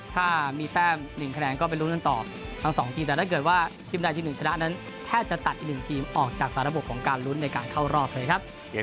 ถ้ามีแต้ม๑คะแนนก็ไปลุ้นกันต่อทั้งสองทีมแต่ถ้าเกิดว่าทีมใดทีมหนึ่งชนะนั้นแทบจะตัดอีกหนึ่งทีมออกจากสารบกของการลุ้นในการเข้ารอบเลยครับ